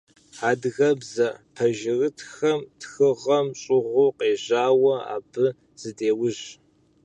Адыгэбзэ пэжырытхэм тхыгъэм щӏыгъуу къежьауэ, абы зыдеужь.